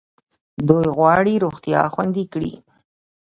دوی غواړي روغتیا خوندي کړي.